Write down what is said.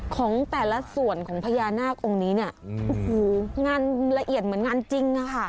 ของแต่ละส่วนของพญานาคองค์นี้เนี่ยโอ้โหงานละเอียดเหมือนงานจริงอะค่ะ